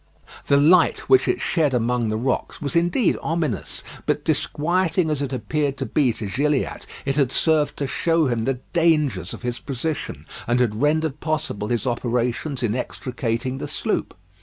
The light which it shed among the rocks was, indeed, ominous; but disquieting as it appeared to be to Gilliatt, it had served to show him the dangers of his position, and had rendered possible his operations in extricating the sloop.